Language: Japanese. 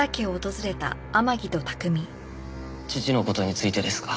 父の事についてですか？